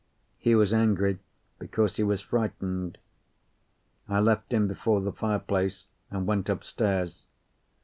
He was angry because he was frightened. I left him before the fireplace, and went upstairs.